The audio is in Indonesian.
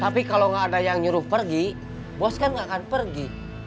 tapi kalau nggak ada yang nyuruh pergi bos kan nggak akan pergi